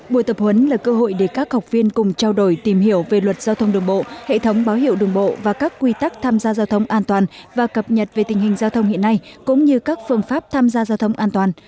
buổi tập huấn là cơ hội để các học viên cùng trao đổi tìm hiểu về luật giao thông đường bộ hệ thống báo hiệu đường bộ và các quy tắc tham gia giao thông an toàn và cập nhật về tình hình giao thông hiện nay cũng như các phương pháp tham gia giao thông an toàn